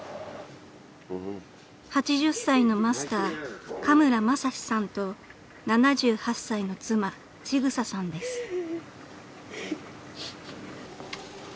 ［８０歳のマスター嘉村正氏さんと７８歳の妻千種さんです］